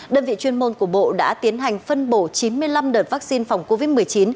đơn vị chuyên môn của bộ đã tiến hành phân bổ chín mươi năm đợt vaccine phòng covid một mươi chín